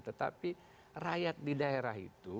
tetapi rakyat di daerah itu